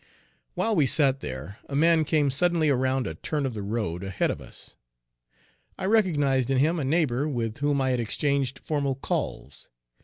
While we sat there, a man came suddenly around a turn of the road ahead Page 69 of us. I recognized in him a neighbor with whom I had exchanged formal calls.